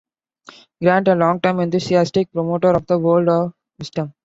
Grant, a long-time enthusiastic promoter of the Word of Wisdom.